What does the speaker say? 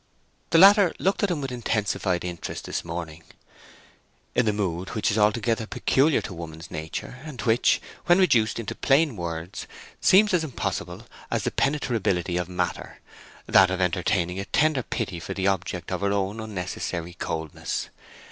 The latter looked at him with intensified interest this morning, in the mood which is altogether peculiar to woman's nature, and which, when reduced into plain words, seems as impossible as the penetrability of matter—that of entertaining a tender pity for the object of her own unnecessary coldness.